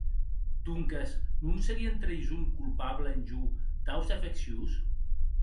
Donques, non serien traïson colpabla en jo taus afeccions?